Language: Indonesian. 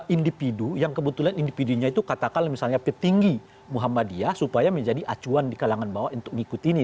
individu yang kebetulan individunya itu katakanlah misalnya petinggi muhammadiyah supaya menjadi acuan di kalangan bawah untuk mengikuti ini